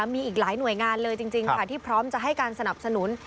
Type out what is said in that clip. มีอีกหลายหน่วยงานเลยจริงค่ะที่พร้อมจะให้การสนับสนุน